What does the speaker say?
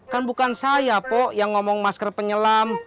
kan bukan saya po yang ngomong masker penyelam